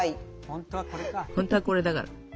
本当はこれだから。